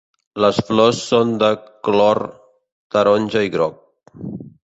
Les flors són de clor taronja i groc.